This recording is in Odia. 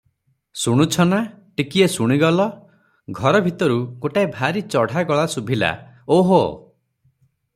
ଶୁଣୁଛ ନା – ଟିକିଏ ଶୁଣିଗଲ!” ଘର ଭିତରୁ ଗୋଟାଏ ଭାରି ଚଢ଼ା ଗଳା ଶୁଭିଲା, “ଓହୋ!